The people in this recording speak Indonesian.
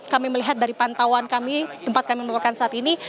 kami melihat dari pantauan kami tempat kami melaporkan saat ini